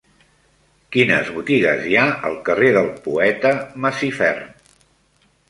Quines botigues hi ha al carrer del Poeta Masifern?